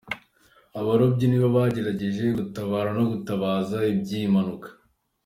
Abarobyi nibo bagerageje gutabara no gutangaza iby’iyi mpanuka.